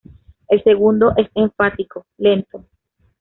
El segundo es enfático, lento.